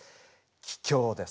「帰郷」です。